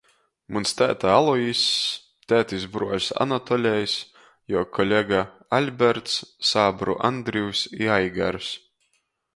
Muns tēte Aloizs, tētis bruoļs Anatolejs, juo kolega Aļberts, sābru Andrivs i Aigars.